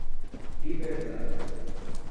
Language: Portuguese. Liberdade